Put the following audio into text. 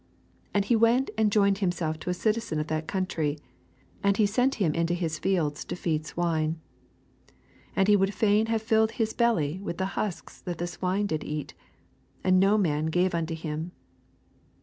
^5 And he went and joined himself to a citizen of that country ; and he sent him into his fields to feed swine. 16 And he would fain have filled his belly with the husks that the swine did eat : and no man gave unto him.